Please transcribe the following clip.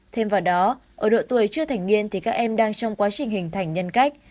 thêm vào đó ở độ tuổi chưa thành niên thì các em đang trong quá trình hình thành nhân cách